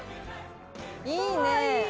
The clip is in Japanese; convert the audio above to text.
いいねぇ！